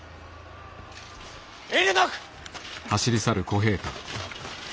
遠慮なく！